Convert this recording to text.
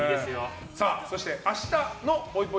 そして明日のぽいぽい